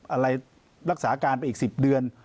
อะไรรักษาการไปอีก๑๐เดือน